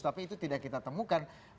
tapi itu tidak kita temukan